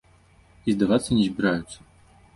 І здавацца не збіраюцца.